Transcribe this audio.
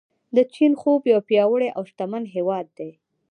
د چین خوب یو پیاوړی او شتمن هیواد دی.